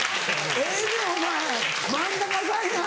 ええねんお前漫画家さんや。